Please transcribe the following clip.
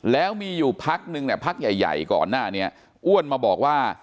แล้วมีอยู่พักนึงเนี่ยพักใหญ่ก่อนหน้านี้อ้วนมาบอกว่า